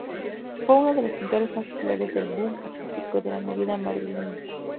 Fue uno de los pintores más populares del boom artístico de la movida madrileña.